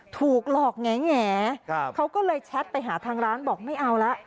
ถูกหลอกแง่เขาก็เลยแชทไปหาทางร้านบอกไม่เอาละ